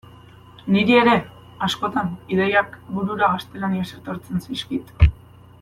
Niri ere, askotan, ideiak burura gaztelaniaz etortzen zaizkit.